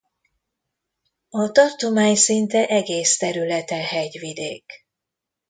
A tartomány szinte egész területe hegyvidék.